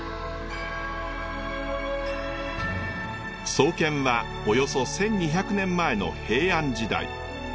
創建はおよそ１，２００年前の平安時代。